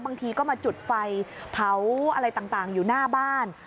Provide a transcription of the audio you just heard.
บางทีก็มาจุดไฟเผาอะไรต่างอยู่หน้าบ้าน